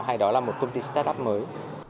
hay đó là một công ty start up mới